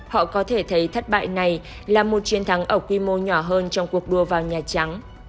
họ có thể thấy thất bại này là một chiến thắng ở quy mô nhỏ hơn trong cuộc đua vào nhà trắng